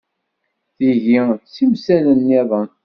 Tigi d timsal-nniḍen.